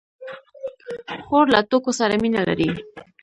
خور له ټوکو سره مینه لري.